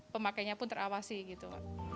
pemakainya pun terawasi gitu